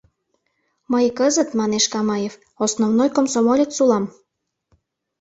— Мый кызыт, — манеш Камаев, — основной комсомолец улам...